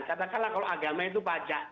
katakanlah kalau agama itu pajak